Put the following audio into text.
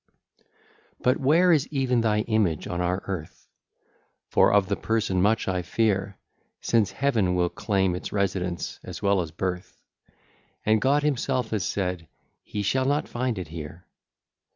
II But where is even thy Image on our earth? For of the person much I fear, Since Heaven will claim its residence, as well as birth, And God himself has said, He shall not find it here.